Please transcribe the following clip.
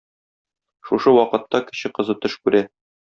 Шушы вакытта кече кызы төш күрә.